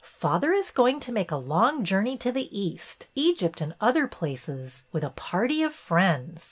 ''' Father is going to make a long journey to the east — Egypt and other places — with a party of friends.